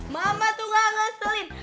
mama tuh gak ngeselin